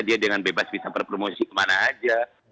dia dengan bebas bisa berpromosi kemana aja